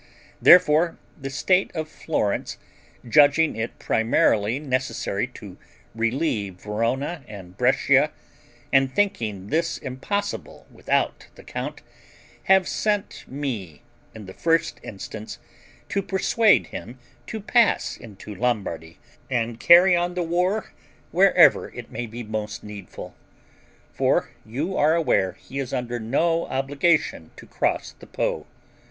Therefore, the senate of Florence, judging it primarily necessary to relieve Verona and Brescia, and thinking this impossible without the count, have sent me, in the first instance, to persuade him to pass into Lombardy, and carry on the war wherever it may be most needful; for you are aware he is under no obligation to cross the Po.